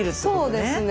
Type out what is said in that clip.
そうですね。